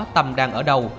tâm đang ở đâu